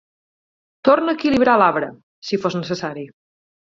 Torna a equilibrar l"arbre si fos necessari.